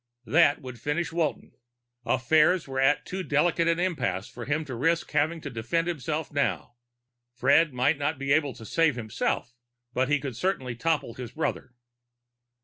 That would finish Walton; affairs were at too delicate an impasse for him to risk having to defend himself now. Fred might not be able to save himself, but he could certainly topple his brother.